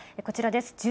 こちらです。